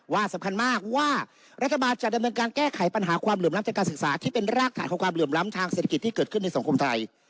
สำคัญมากว่ารัฐบาลจะดำเนินการแก้ไขปัญหาความเหลื่อมล้ำจากการศึกษาที่เป็นรากฐานของความเหลื่อมล้ำทางเศรษฐกิจที่เกิดขึ้นในสังคมไทย